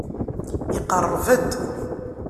Iqerreb-d.